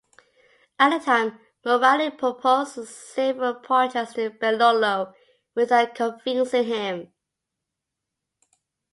At the time, Morali proposed several projects to Belolo without convincing him.